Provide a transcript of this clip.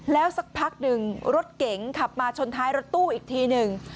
แล้วสักพักหนึ่งรถเก๋งขับมาชนท้ายรถตู้อีกทีหนึ่ง